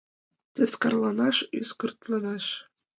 Тескарланаш — ӱскыртланаш.